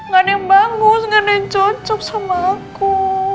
gak ada yang bagus gak ada yang cocok sama aku